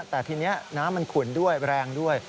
แต่ทีนี้น้ำมันขุ่นด้วยแรงด้วย